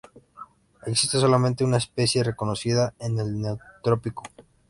Existe solamente una especie reconocida en el Neotrópico.